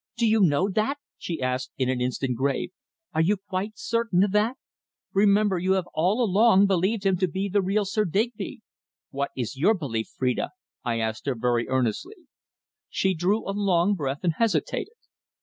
"Do you know that?" she asked, in an instant grave. "Are you quite certain of that? Remember, you have all along believed him to be the real Sir Digby." "What is your belief, Phrida?" I asked her very earnestly. She drew a long breath and hesitated.